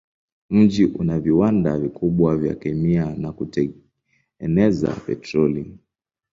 Mji una viwanda vikubwa vya kemia na kutengeneza petroli.